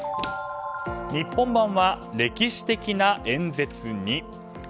日本版は歴史的な演説に？